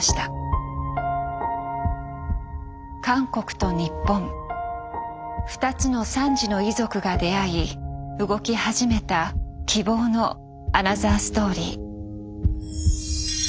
韓国と日本二つの惨事の遺族が出会い動き始めた希望のアナザーストーリー。